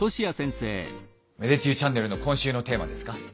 芽出中チャンネルの今週のテーマですか？